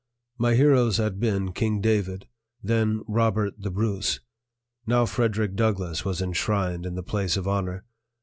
My heroes had been King David, then Robert the Bruce; now Frederick Douglass was enshrined in the place of honor.